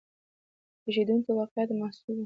د پېښېدونکو واقعاتو محصول و.